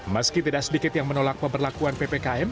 meski tidak sedikit yang menolak pemberlakuan ppkm